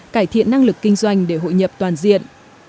cải thiện năng lực kinh doanh để hội nhập toàn diện